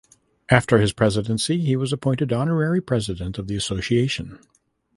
After his presidency he was appointed Honorary President of the Association.